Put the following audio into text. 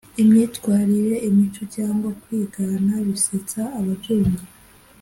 imyitwarire, imico cyangwa kwigana bisetsa ababyumva,